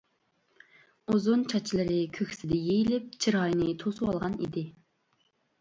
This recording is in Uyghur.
ئۇزۇن چاچلىرى كۆكسىدە يېيىلىپ، چىرايىنى توسۇۋالغان ئىدى.